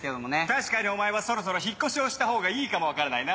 確かにお前はそろそろ引っ越しをした方がいいかも分からないな。